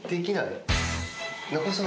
中岡さん